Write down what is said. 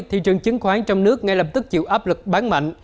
thị trường chứng khoán trong nước ngay lập tức chịu áp lực bán mạnh